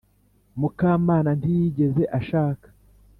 mukamana ntiyigeze ashaka.